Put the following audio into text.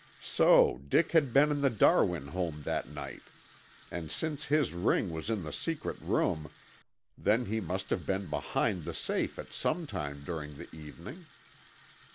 So Dick had been in the Darwin home that night, and since his ring was in the secret room, then he must have been behind the safe at some time during the evening.